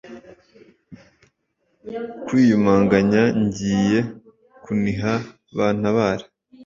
kwiyumanganya a ngiye kuniha bantabare